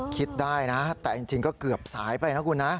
คิดได้นะแต่จริงก็เกือบสายไปนะคุณนะ